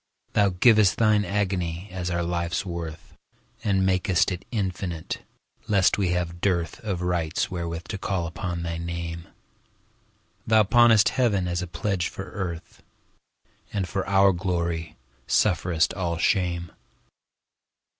Thou giv'st Thine agony as our life's worth, And mak'st it infinite, lest we have dearthOf rights wherewith to call upon thy Name; Thou pawnest Heaven as a pledge for Earth, And for our glory sufferest all shame.